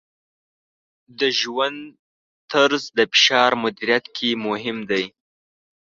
د ژوند طرز د فشار مدیریت کې مهم دی.